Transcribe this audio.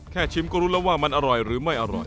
ชิมก็รู้แล้วว่ามันอร่อยหรือไม่อร่อย